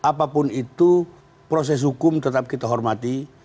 apapun itu proses hukum tetap kita hormati